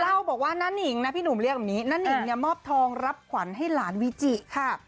เล่าบอกว่าน้านิงนะพี่หนุ่มเรียกแบบนี้น้านิงเนี่ยมอบทองรับขวัญให้หลานวิจิค่ะ